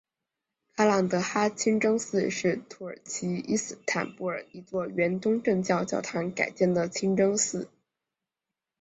卡朗德哈清真寺是土耳其伊斯坦布尔一座原东正教教堂改建的清真寺。